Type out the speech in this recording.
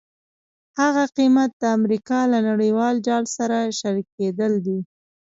هغه قیمت د امریکا له نړیوال جال سره شریکېدل دي.